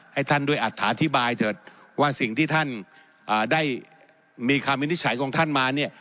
ให้ท่านด้วยอัฐาธิบายเถอะว่าสิ่งที่ท่านได้มีคำวินิจฉัยของท่านมาเนี่ย